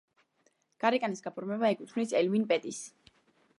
გარეკანის გაფორმება ეკუთვნის ელვინ პეტის.